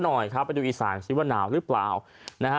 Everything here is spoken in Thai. หน่อยครับไปดูอีสานซิว่าหนาวหรือเปล่านะฮะ